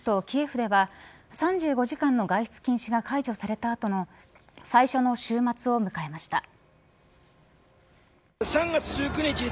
キエフでは３５時間の外出禁止が解除されたあとの最初の週末を迎えました。